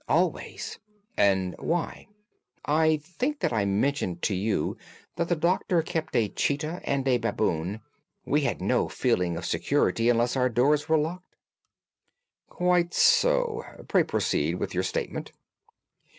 "Always." "And why?" "I think that I mentioned to you that the Doctor kept a cheetah and a baboon. We had no feeling of security unless our doors were locked." "Quite so. Pray proceed with your statement."